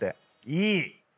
いい！